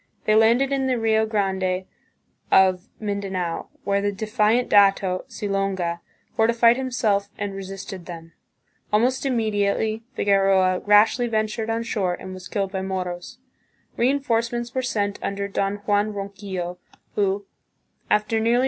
They landed in the Rio Grande of Mindanao, where the defiant dato, Silonga, fortified himself and re sisted them. Almost immediately Figueroa rashly ven tured on shore and was killed by Moros. Reinforcements were sent under Don Juan Ronquillo, who, after nearly 152 THE PHILIPPINES.